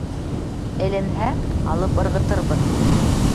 Эленһә, алып ырғытырбыҙ!